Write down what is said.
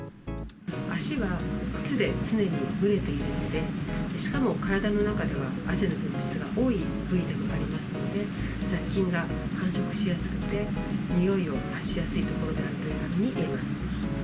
足は靴で常に蒸れているので、しかも体の中では汗の分泌が多い部位でありますので、雑菌が繁殖しやすくて、臭いを発しやすい所であるといえます。